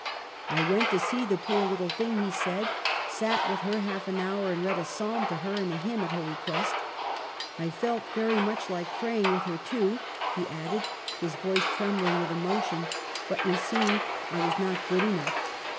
I went to see the poor little thing,' he said, ' sat with her half an hour and read a psalm to her and a hymn at her request. I felt very much like praying with her too,' he added, his voice trembling with emotion, ' but you see I was not good enough.